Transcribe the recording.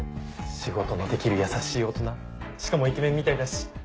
仕事のできる優しい大人しかもイケメンみたいだし。